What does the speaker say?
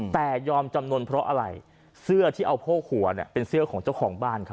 แต่ยอมจำนวนเพราะอะไรเสื้อที่เอาโพกหัวเนี่ยเป็นเสื้อของเจ้าของบ้านเขา